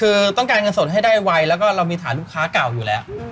คือต้องการเงินสดให้ได้ไวแล้วก็เรามีฐานลูกค้าเก่าอยู่แล้ว